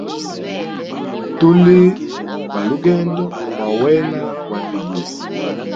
Tuli balugendo wa wena wa vilye.